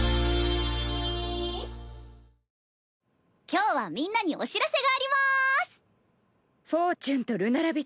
今日はみんなにお知らせがあります！